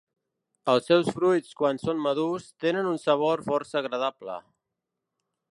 Els seus fruits, quan són madurs, tenen un sabor força agradable.